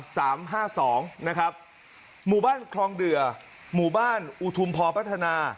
สามห้าสองนะครับหมู่บ้านคลองเดือหมู่บ้านอุทุมพอพัฒนา